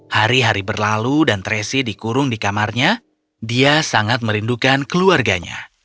hari hari berlalu dan traci dikurung di kamarnya dia sangat merindukan keluarganya